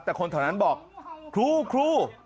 แต่ตัวคนนั้นบอกครู